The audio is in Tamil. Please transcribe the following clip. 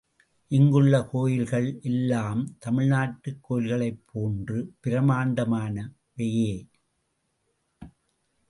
இங்குள்ள கோயில்கள் எல்லாம், தமிழ்நாட்டுக் கோயில்களைப் போன்று பிரம்மாண்டமானவையே.